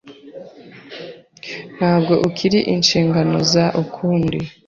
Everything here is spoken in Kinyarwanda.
Ntabwo ukiri inshingano za ukundi.